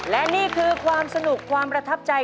และนี่คือความสนุกความประทับใจ